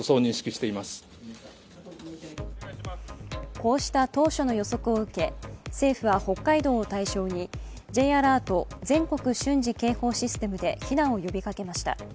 こうした当初の予測を受け、政府は北海道を対象にＪアラート＝全国瞬時警報システムで避難を呼びかけました。